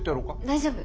大丈夫。